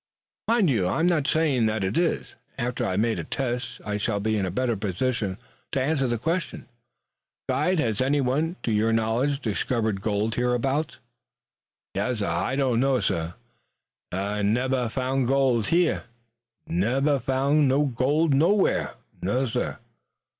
"Mind you, I am not saying that it is. After I have made a test I shall be in better position to answer that question. Guide, has anyone, to your knowledge, discovered gold hereabouts?" "Yassir; Ah doan know. Ah nebbah found no gold heah nebbah found no gold nowhere. Nassir."